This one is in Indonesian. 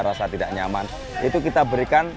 rasa tidak nyaman itu kita berikan